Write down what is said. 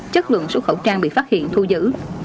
chất lượng số khẩu trang bị phát hiện thu giữ